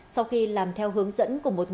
sau khi làm theo hướng dẫn của cục thuế tp hcm